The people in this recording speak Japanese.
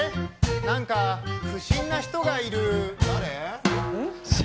なんか、不審な人がいる。